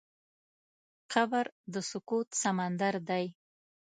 قبر د سکوت سمندر دی.